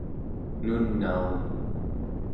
nunaun